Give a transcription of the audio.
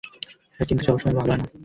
হ্যাঁ, কিন্তু ভালো সবসময় ভালো হয় না।